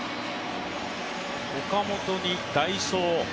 岡本に代走。